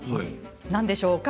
何でしょうか？